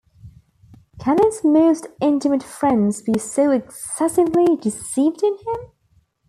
Can his most intimate friends be so excessively deceived in him?